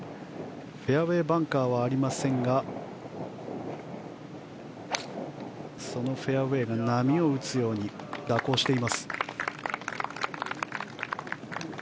フェアウェーバンカーはありませんがそのフェアウェーが波を打つように蛇行しています。